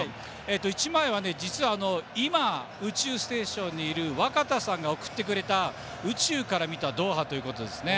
１枚目は実は今、宇宙ステーションにいる若田さんが送ってくれた宇宙から見たドーハということで。